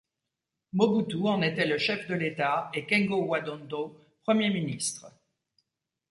Mobutu en était le chef de l'État et Kengo Wa Dondo Premier ministre.